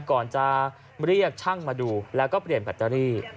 ก่อนจะเรียกช่างมาดูแล้วก็เปลี่ยนแบตเตอรี่